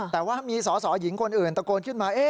แต่ว่ามีสอสอหญิงคนอื่นตะโกนขึ้นมา